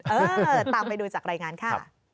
เออตามไปดูจากรายงานค่ะ